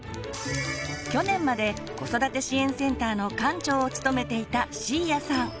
去年まで子育て支援センターの館長を務めていた椎谷さん。